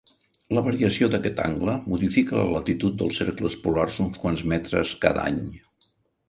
La variació d'aquest angle modifica la latitud dels cercles polars uns quants metres cada any.